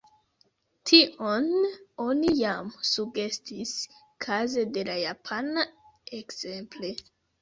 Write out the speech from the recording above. Tion oni jam sugestis kaze de la japana, ekzemple.